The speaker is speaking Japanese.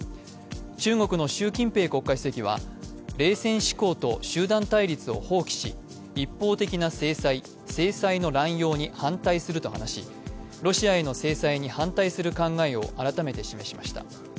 中国の習近平国家主席は冷戦思考と集団対立を放棄し、一方的な制裁、制裁の乱用に反対すると話し、ロシアへの制裁に反対する考えを改めて示しました。